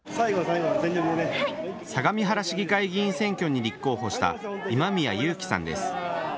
相模原市議会議員選挙に立候補した今宮祐貴さんです。